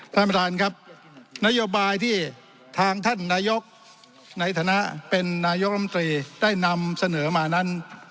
ท่านประธานครับนโยบายที่ทางท่านนายกในฐานะเป็นนายกรรมตรีได้นำเสนอมานั้น